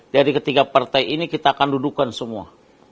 jadi ketiga partai ini kita akan dudukkan semua